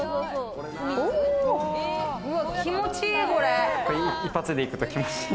気持ちいい！